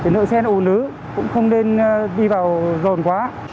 nên đi vào rồn quá